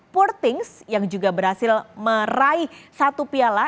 portings yang juga berhasil meraih satu piala